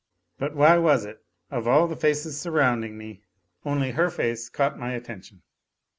But why was it, of all the faces surrounding me, only her face caught my attention